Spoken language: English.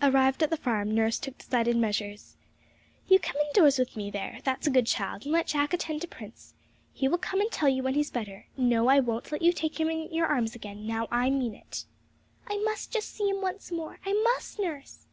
Arrived at the farm, nurse took decided measures, 'You come indoors with me, there's a good child; and let Jack attend to Prince. He will come and tell you when he's better. No, I won't let you take him in your arms again now I mean it.' 'I must just see him once more; I must, nurse!'